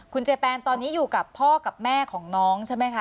คุณเจแปนตอนนี้อยู่กับพ่อกับแม่ของน้องใช่ไหมคะ